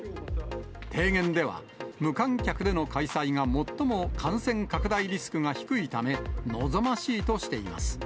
提言では、無観客での開催が最も感染拡大リスクが低いため、望ましいとしています。